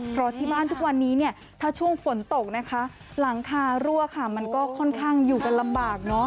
เพราะที่บ้านทุกวันนี้เนี่ยถ้าช่วงฝนตกนะคะหลังคารั่วค่ะมันก็ค่อนข้างอยู่กันลำบากเนอะ